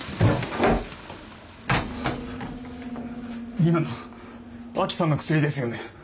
今の安芸さんの薬ですよね？